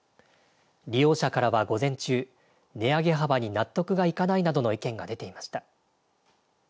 利用者からは午前中値上げ幅に納得がいかないなどの意見が出ていました。